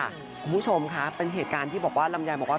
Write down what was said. คุณผู้ชมคะเป็นเหตุการณ์ที่บอกว่าลำไยบอกว่า